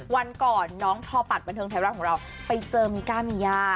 วันก่อนน้องทอปัดบันเทิงไทยรัฐของเราไปเจอมิก้ามีย่า